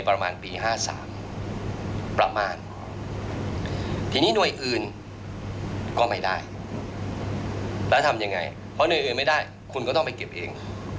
เพราะหน่วยอื่นไม่ได้คุณก็ต้องไปเก็บเอง